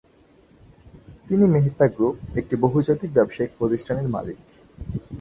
তিনি মেহতা গ্রুপ, একটি বহুজাতিক ব্যবসায়িক প্রতিষ্ঠান এর মালিক।